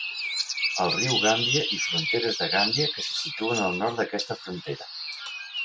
Al riu Gàmbia i fronteres de Gàmbia que se situen al nord d'aquesta frontera.